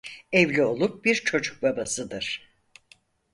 Evli olup bir çocuk babasıdır.